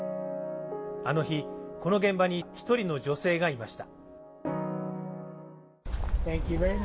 あの日、この現場に１人の女性がいました。